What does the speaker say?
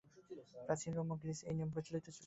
প্রাচীন রোম ও গ্রীসেও এই নিয়ম প্রচলিত ছিল।